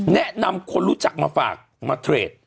แนะนำคนรู้จักมาฝากมาเทรด